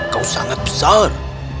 kau sangat besar